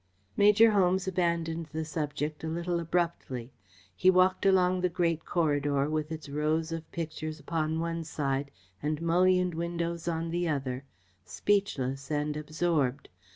Major Holmes abandoned the subject a little abruptly. He walked along the great corridor with its rows of pictures upon one side and mullioned windows on the other, speechless and absorbed.